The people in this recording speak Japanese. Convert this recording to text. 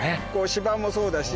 芝生もそうだし